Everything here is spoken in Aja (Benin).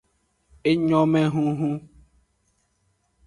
Enyomehunhun.